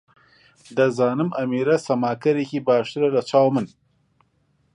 دەزانم ئەمیر سەماکەرێکی باشترە لەچاو من.